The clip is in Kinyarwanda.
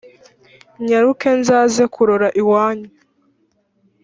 nyaruke nzaze kurora iwanyu